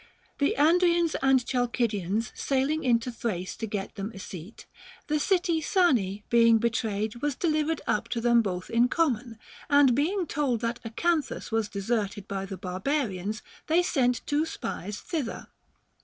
The Andrians and Chalcidians sailing into Thrace to get them a seat, the city Sane being betrayed was delivered up to them both in common ; and being told that Acanthus was deserted by the barbarians, they sent two spies thither.